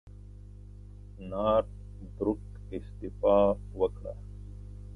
نارت بروک استعفی وکړه.